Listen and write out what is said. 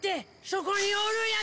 そこにおる奴！